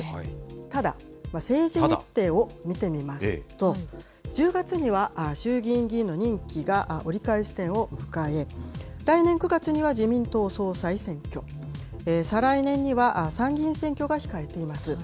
ただ、政治日程を見てみますと、１０月には衆議院議員の任期が折り返し点を迎え、来年９月には自民党総裁選挙、再来年には参議院選挙が控えています。